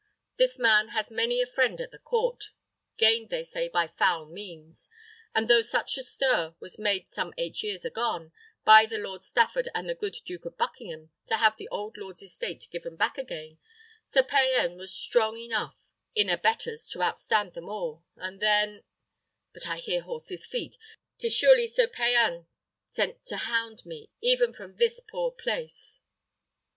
This man has many a friend at the court, gained they say by foul means; and though much stir was made some eight years agone, by the Lord Stafford and the good Duke of Buckingham, to have the old lord's estates given back again, Sir Payan was strong enough in abettors to outstand them all, and then ; but I hear horses' feet. 'Tis surely Sir Payan sent to hound me out even from this poor place."